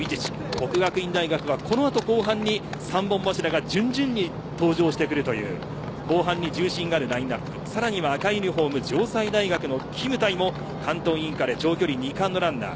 國學院大學はこのあと後半に３本柱が順々に登場してくるという後半に重心があるラインアップ更には赤いユニホーム城西大学のキムタイも関東インカレ長距離２冠のランナー。